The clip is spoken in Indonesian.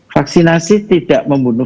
vaksinasi tidak membunuh